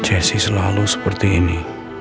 jessi selalu seperti ini